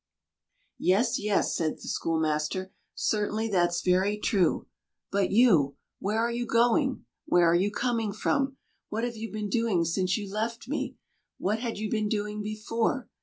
"Yes, yes," said the schoolmaster, "certainly—that's very true. But you—where are you going, where are you coming from, what have you been doing since you left me, what had you been doing before?